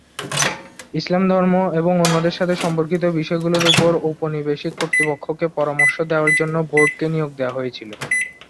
ইসলাম ধর্ম এবং অন্যদের সাথে সম্পর্কিত বিষয়গুলির উপর ঔপনিবেশিক কর্তৃপক্ষকে পরামর্শ দেওয়ার জন্য বোর্ডকে নিয়োগ দেওয়া হয়েছিল।